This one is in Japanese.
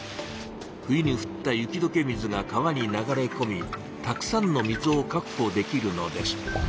冬にふった雪どけ水が川に流れこみたくさんの水をかくほできるのです。